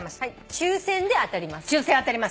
「抽選で当たります」